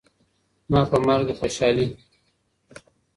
زما په مرګ دي خوشالي